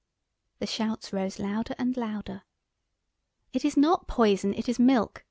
The shouts rose louder and louder. "It is not poison, it is milk!"